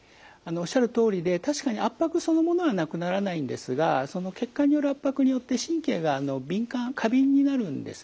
おっしゃるとおりで確かに圧迫そのものはなくならないんですがその血管による圧迫によって神経が敏感過敏になるんですね。